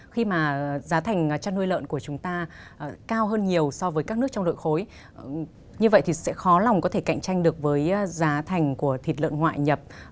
khi mà giá thành chăn nuôi lợn của chúng ta cao hơn nhiều so với các nước trong đội khối như vậy thì sẽ khó lòng có thể cạnh tranh được với giá thành của thịt lợn ngoại nhập